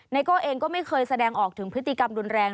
โก้เองก็ไม่เคยแสดงออกถึงพฤติกรรมรุนแรง